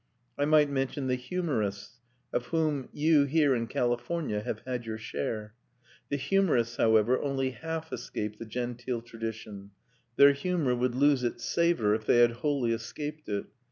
I might mention the humorists, of whom you here in California have had your share. The humorists, however, only half escape the genteel tradition; their humour would lose its savour if they had wholly escaped it.